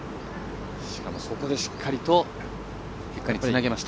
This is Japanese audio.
そこでしっかりと結果につなげました。